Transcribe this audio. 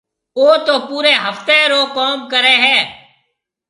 او تو پوريَ هفتيَ رو ڪوم ڪريَ هيَ۔